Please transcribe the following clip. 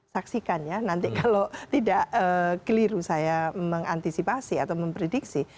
saksikan ya nanti kalau tidak keliru saya mengantisipasi atau memprediksi